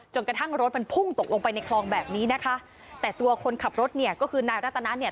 กระทั่งรถมันพุ่งตกลงไปในคลองแบบนี้นะคะแต่ตัวคนขับรถเนี่ยก็คือนายรัตนาเนี่ย